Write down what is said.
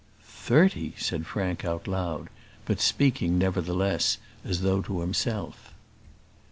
"Thirty!" said Frank out loud, but speaking, nevertheless, as though to himself.